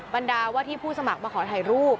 บรรดาว่าที่ผู้สมัครมาขอถ่ายรูป